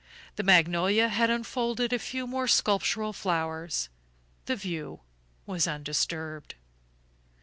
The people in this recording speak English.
The magnolia had unfolded a few more sculptural flowers; the view was undisturbed.